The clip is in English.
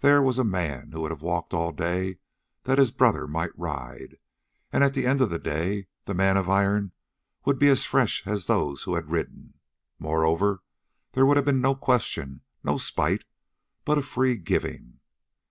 There was a man who would have walked all day that his brother might ride, and at the end of the day that man of iron would be as fresh as those who had ridden. Moreover, there would have been no questions, no spite, but a free giving.